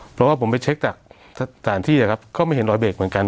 เพราะว่าผมไปเช็คจากสถานที่ครับก็ไม่เห็นรอยเบรกเหมือนกัน